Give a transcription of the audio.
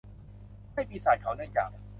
ให้ปีศาจเขาเนื่องจาก